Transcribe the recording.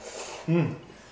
うん。